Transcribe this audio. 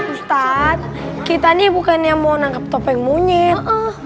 ustadz kita ini bukannya mau nangkep topeng monyet